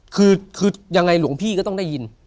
คือยังไงหลวงพี่ก็ต้องได้ยิน